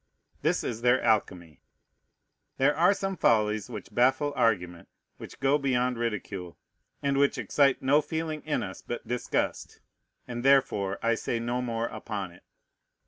This is their alchemy. There are some follies which baffle argument, which go beyond ridicule, and which excite no feeling in us but disgust; and therefore I say no more upon it.